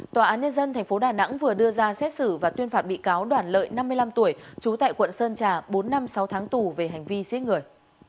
tòa án nhân dân tp đà nẵng vừa đưa ra xét xử và tuyên phạt bị cáo đoàn lợi năm mươi năm tuổi trú tại quận sơn trà bốn năm sáu tháng tù về hành vi giết người